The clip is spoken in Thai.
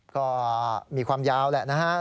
ก็มีความยาวแหละนะฮะ